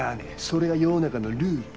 それが世の中のルール。